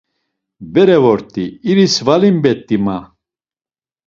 Bere vort̆i, iris valimbet̆i, ma.